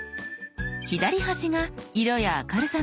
左端が「色や明るさの調整」。